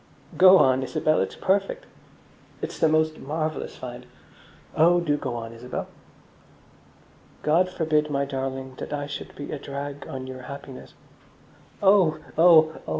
"Go on, Isabel, it's perfect." "It's the most marvellous find." "Oh, do go on, Isabel!" God forbid, my darling, that I should be a drag on your happiness. "Oh! oh! oh!"